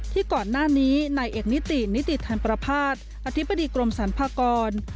ที่ก่อนหน้านี้นายเอกนิตินิติธรรมประพาทอธิบดีกรมสรรพากร